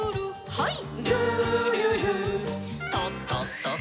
はい。